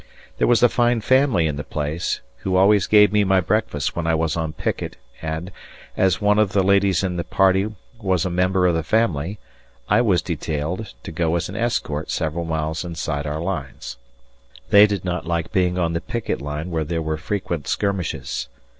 There was a fine family in the place, who always gave me my breakfast when I was on picket and, as one of the ladies in the party was a member of the family, I was detailed to go as an escort several miles inside our lines. They did not like being on the picket line where there were frequent skirmishes.